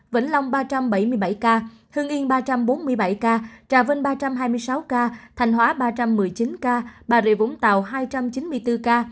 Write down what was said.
vĩnh long ba trăm bảy mươi bảy ca hưng yên ba trăm bốn mươi bảy ca trà vinh ba trăm hai mươi sáu ca thanh hóa ba trăm một mươi chín ca bà rịa vũng tàu hai trăm chín mươi bốn ca